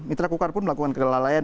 mitra kukar pun melakukan kelalaian